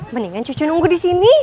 mendingan cucu nunggu disini